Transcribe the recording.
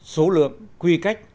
số lượng quy cách